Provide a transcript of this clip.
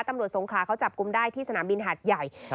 ตำรวจสงคราเขาจับกุมได้ที่สนามบินหาดใหญ่